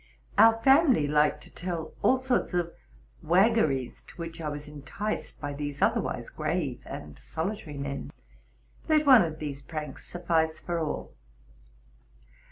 Our family liked to tell of all sorts of waggeries to which I was enticed by these otherwise grave and solitary men. Let one of these pranks suffice for all.